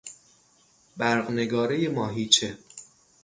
برقنگارهی ماهیچه